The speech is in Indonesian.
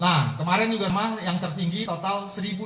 nah kemarin juga sama yang tertinggi total satu enam ratus empat